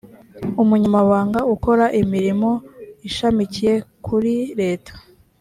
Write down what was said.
umunyamahanga ukora imirimo ishamikiye kuri leta